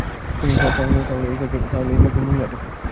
তাহলে গল্পে ওই মহিলাটা কে?